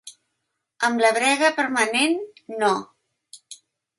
Amb la brega permanent, no.